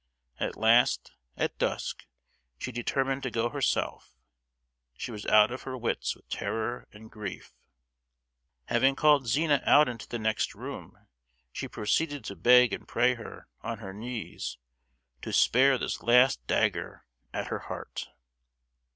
At last, at dusk, she determined to go herself; she was out of her wits with terror and grief. Having called Zina out into the next room, she proceeded to beg and pray her, on her knees, "to spare this last dagger at her heart!"